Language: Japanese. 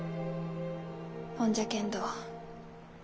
ほんじゃけんど